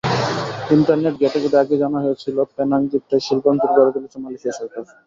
Internet ঘেঁটেঘুঁটে আগেই জানা হয়েছিল, পেনাং দ্বীপটায় শিল্পাঞ্চল গড়ে তুলেছে মালয়েশিয়া সরকার।